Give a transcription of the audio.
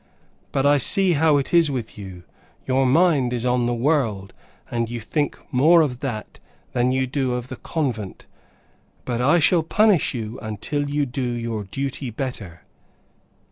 But I see how it is with you; your mind is on the world, and you think more of that, than you do of the convent. But I shall punish you until you do your duty better."